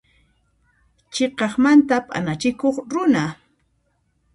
Chhiqaqmanta p'anachikuq runa.